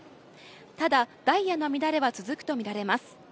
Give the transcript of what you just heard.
ただ、ダイヤの乱れは続くと見られます。